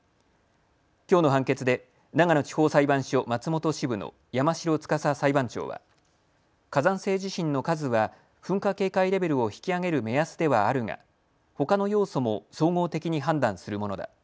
きょうの判決で長野地方裁判所松本支部の山城司裁判長は火山性地震の数は噴火警戒レベルを引き上げる目安ではあるがほかの要素も総合的に判断するものだ。